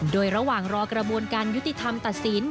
โดยระหว่างรอกระบวนการยุติธรรมตัดสิน